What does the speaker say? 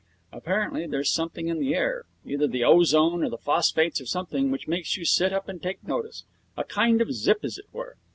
Apparently there's something in the air, either the ozone or the phosphates or something, which makes you sit up and take notice. A kind of zip, as it were.